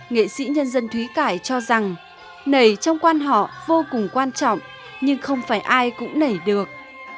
nghệ sĩ nhân dân thúy cải cho rằng nảy trong quan họ vô cùng quan trọng nhưng không phải ai cũng nảy được